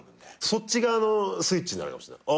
そっち側のスイッチになるかもしんない。